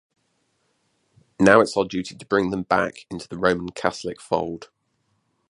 Now it's our duty to bring them back into the Roman Catholic fold.